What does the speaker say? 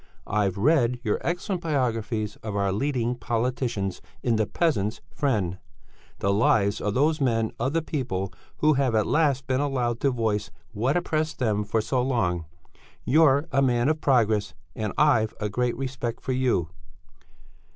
I've read your excellent biographies of our leading politicians in the Peasant's Friend, the lives of those men of the people, who have at last been allowed to voice what oppressed them for so long; you're a man of progress and I've a great respect for you."